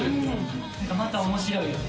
また面白いよね。